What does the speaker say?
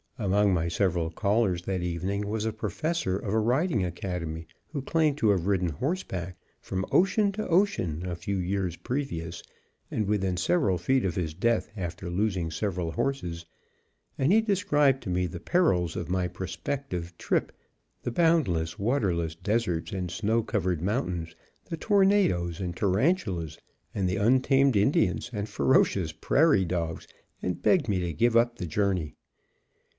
Among my several callers that evening was a Professor of a Riding Academy who claimed to have ridden horseback from ocean to ocean a few years previous and within several feet of his death after losing several horses; and he described to me the perils of my prospective trip, the boundless, waterless deserts and snow covered mountains, the tornadoes and tarantulas, and the untamed Indians, and ferocious prairie dogs, and begged me to give up the journey.